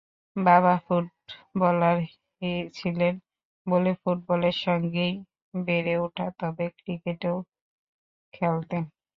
বাবা ফুটবলার ছিলেন বলে ফুটবলের সঙ্গেই বেড়ে ওঠা, তবে ক্রিকেটও খেলতেন।